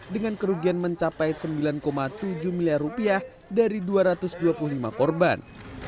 dengan kerugian mencapai sembilan tujuh miliar rupiah dari dua ratus dua puluh lima korban